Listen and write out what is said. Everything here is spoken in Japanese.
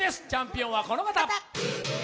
チャンピオンは、この方。